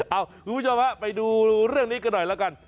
คุณผู้ชมฮะไปดูเรื่องนี้กันหน่อยแล้วกัน